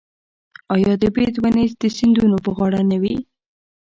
آیا د بید ونې د سیندونو په غاړه نه وي؟